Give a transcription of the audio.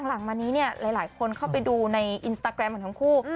หลังมานี้เนี่ยหลายคนเข้าไปดูในอินสตาแกรมของทั้งคู่